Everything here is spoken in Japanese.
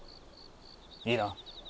いいな。